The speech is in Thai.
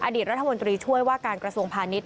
อดีตรัฐมนตรีช่วยว่าการกระทรวงพาณิชย